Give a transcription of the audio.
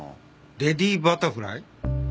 レディバタフライ？